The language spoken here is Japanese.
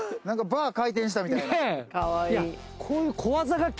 なんかバー開店したみたいな。